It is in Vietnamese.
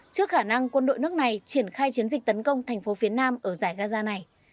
trước khả năng quân đội nước này triển khai chiến dịch tấn công thành phố phía nam ở giải gaza này